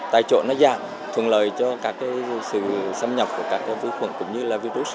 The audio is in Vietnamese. tại chỗ nó giảm thuận lợi cho cả cái sự xâm nhập của các cái vi khuẩn cũng như là virus